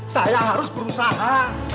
saya harus berusaha